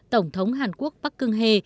tổng thống hàn quốc bắc cương hề